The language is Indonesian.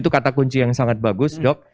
itu kata kunci yang sangat bagus dok